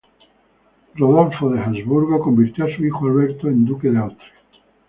Rodolfo de Habsburgo convirtió a su hijo Alberto en duque de Austria.